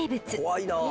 怖いなあ。